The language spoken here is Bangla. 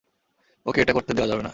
ওকে এটা করতে দেওয়া যাবে না!